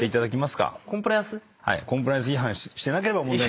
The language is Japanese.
コンプライアンス違反してなければ。